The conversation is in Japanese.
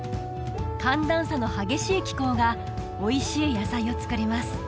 寒暖差の激しい気候がおいしい野菜を作ります